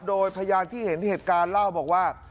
โดยพยานที่เห็นเหตุการณ์เล่าบอกว่า